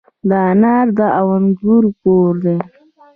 د انار او انګور کور.